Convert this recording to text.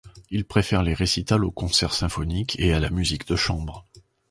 Il préfère les récitals aux concerts symphoniques et à la musique de chambre.